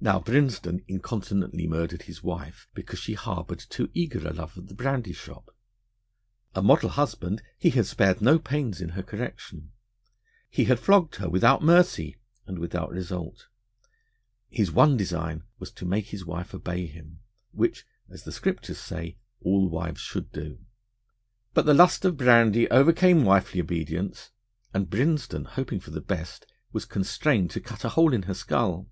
Now, Matthias Brinsden incontinently murdered his wife because she harboured too eager a love of the brandy shop. A model husband, he had spared no pains in her correction. He had flogged her without mercy and without result. His one design was to make his wife obey him, which, as the Scriptures say, all wives should do. But the lust of brandy overcame wifely obedience, and Brinsden, hoping for the best, was constrained to cut a hole in her skull.